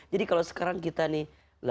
jadi kalau sekarang kita nih